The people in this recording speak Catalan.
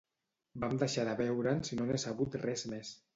Vam deixar de veure'ns i no n'he sabut res més